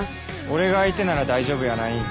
俺が相手なら大丈夫やないん？